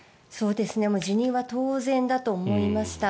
辞任は当然だと思いました。